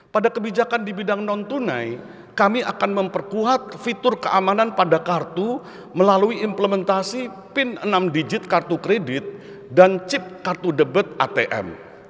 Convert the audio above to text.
pada kebijakan di bidang non tunai kami akan memperkuat fitur keamanan pada kartu melalui implementasi pin enam digit kartu kredit dan chip kartu debit atm